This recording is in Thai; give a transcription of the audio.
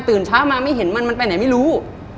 เช้ามาไม่เห็นมันมันไปไหนไม่รู้